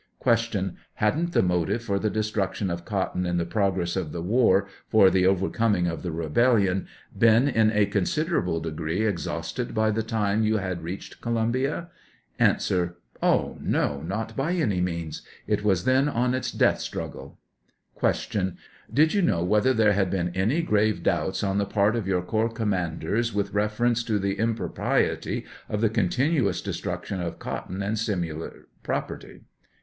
Q. Hadn't the motive for the destruction of cotton in the progress of the war, for the overcoming of the rebellion, been in a considerable degree exhausted by the time you had reached Columbia? A. Oh, no, not by any means ;' it was then on its death struggle. Q. Do you know whether there had been any grave doubts on the part of your corps commanders with reference to the impropriety of the continuous destruc tion of cotton and similar property